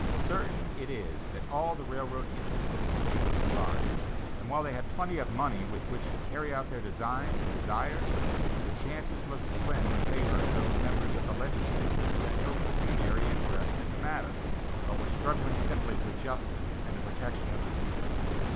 Certain it is that all the railroad interests in the State were combined; and while they had plenty of money with which to carry out their designs and desires, the chances looked slim in favor of those members of the legislature who had no pecuniary interest in the matter, but were struggling simply for justice and the protection of the people.